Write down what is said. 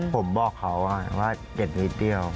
ผมบอกเขาว่าเจ็บนิดเดียว